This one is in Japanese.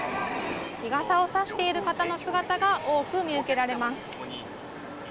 日傘を差している方の姿が多く見受けられます。